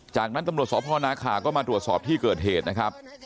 จากนั้นตำรวจสพนาคาก็มาตรวจสอบที่เกิดเหตุนะครับ